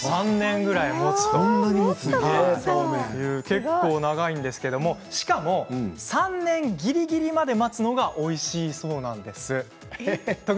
結構長いんですけどしかも３年ぎりぎりまで待つのがおいしいそうなんです。